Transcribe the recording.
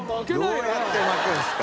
どうやって巻くんですか？